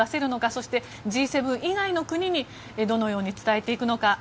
そしてＧ７以外の国にどのように伝えていくのか。